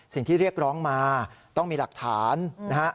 เรียกร้องมาต้องมีหลักฐานนะฮะ